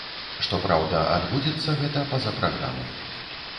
Што праўда, адбудзецца гэта па за праграмай.